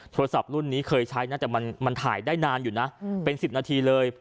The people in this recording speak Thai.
โทรศัพท์รุ่นนี้เคยใช้นะแต่มันถ่ายได้นานอยู่นะเป็น๑๐นาทีเลย